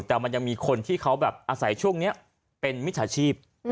แต่มันยังมีคนที่เขาแบบอาศัยช่วงนี้เป็นมิจฉาชีพ